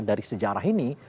dari sejarah ini